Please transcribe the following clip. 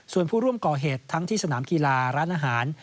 ส่วนผู้ร่วมก่อเหตุทั้งที่สนามกีฬาร้านอาหาร